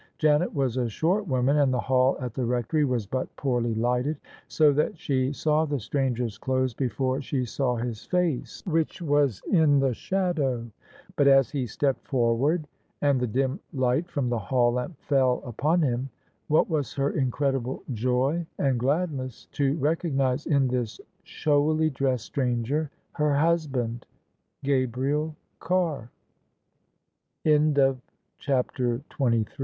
Janet was a short woman, and the hall at the Rectory was but poorly lighted ; so that she saw the stranger's clothes before she saw his face, which was in the shadow. But as he stepped forward and the dim light from the hall lamp fell upon him what was her incredible joy and gladness to recognise in this showiljr dressed stranger her husband, Gabriel CarrI \ CHAPTER XXiy THE